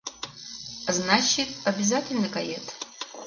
Значит, обязательно кает?